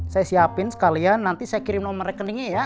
saya siapin sekalian nanti saya kirim nomor rekeningnya ya